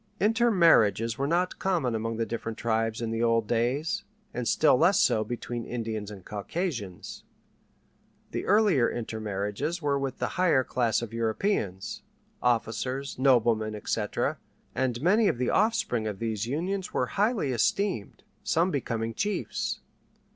Intermarriages were not common among the different tribes in the old days, and still less so between Indians and Caucasians. The earlier intermarriages were with the higher class of Europeans: officers, noblemen, etc., and many of the offspring of these unions were highly esteemed, some becoming chiefs.